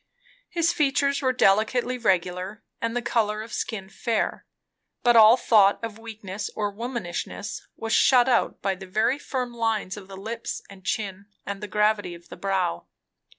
His features were delicately regular and the colour of skin fair; but all thought of weakness or womanishness was shut out by the very firm lines of the lips and chin and the gravity of the brow.